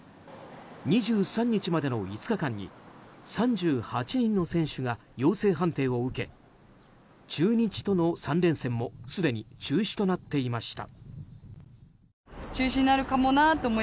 ２３日までの５日間に３８人の選手が陽性判定を受け中日との３連戦もすでに中止となっていました。